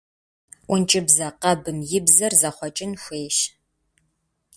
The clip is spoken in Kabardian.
Ӏункӏыбзэ къэбым и бзэр зэхъуэкӏын хуейщ.